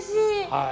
はい。